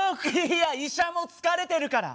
いや医者も疲れてるから。